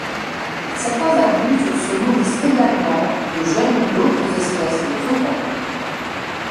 Certains adultes se nourrissent également de jeunes d'autres espèces de requins.